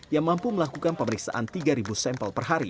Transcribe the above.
yang mampu melakukan pemeriksaan tiga sampel per hari